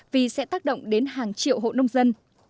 vì sẽ tác động đến hàng triệu hộ nông dân